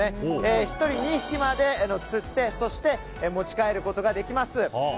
１人２匹まで釣って持ち帰ることができます。